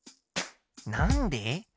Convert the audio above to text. なんで？